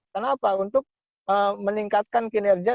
kenapa untuk meningkatkan kinerja